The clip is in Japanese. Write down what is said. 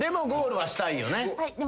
はい。